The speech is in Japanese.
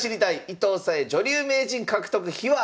伊藤沙恵女流名人獲得秘話」！